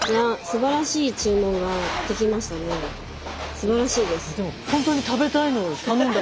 すばらしいです。